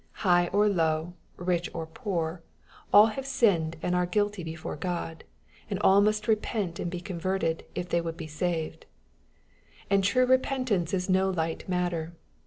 — High or low, rich or poor, all have sinned and are guilty before God ; and all must repent and be converted, if they would be saved. And true repentance is no light matter.